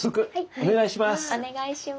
お願いします。